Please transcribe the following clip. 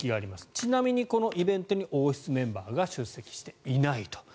ちなみにこのイベントに王室メンバーが出席していないと。